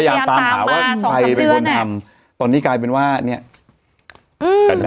ตามหาว่าใครเป็นคนทำตอนนี้กลายเป็นว่าเนี่ย